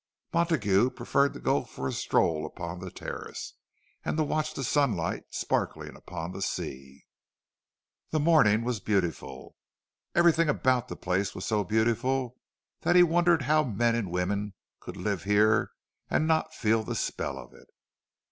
Montague preferred to go for a stroll upon the terrace, and to watch the sunlight sparkling upon the sea. The morning was beautiful—everything about the place was so beautiful that he wondered how men and women could live here and not feel the spell of it.